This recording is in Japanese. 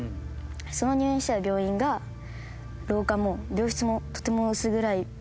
その入院してた病院が廊下も病室もとても薄暗い病院で。